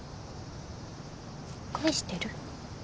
恋してる？